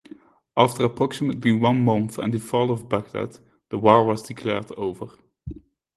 After approximately one month and the fall of Bagdad, the war was declared over.